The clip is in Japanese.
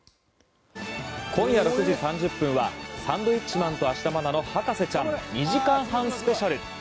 今夜６時３０分は「サンドウィッチマン＆芦田愛菜の博士ちゃん」２時間半スペシャル。